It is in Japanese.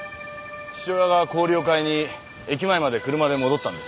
父親が氷を買いに駅前まで車で戻ったんですな。